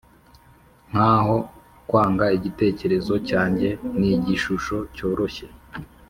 nkaho kwanga igitekerezo cyanjye nigishusho cyoroshye.